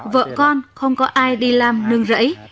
vợ con không có ai đi làm nương rẫy